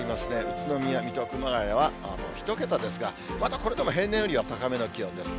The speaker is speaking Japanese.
宇都宮、水戸、熊谷は１桁ですが、まだこれでも平年よりは高めの気温です。